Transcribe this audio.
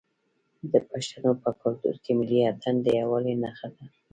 د پښتنو په کلتور کې ملي اتن د یووالي نښه ده.